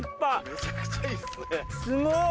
・めちゃくちゃいいっすね・すごっ！